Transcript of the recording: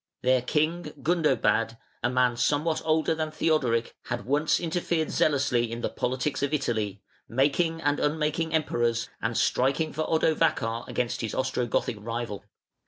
Their king, Gundobad, a man somewhat older than Theodoric, had once interfered zealously in the politics of Italy, making and unmaking Emperors and striking for Odovacar against his Ostrogothic rival.